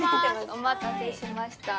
お待たせしました。